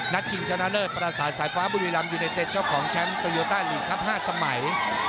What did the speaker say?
ชิงชนะเลิศประสาทสายฟ้าบุรีรำยูไนเต็ดเจ้าของแชมป์โตโยต้าลีกครับ๕สมัย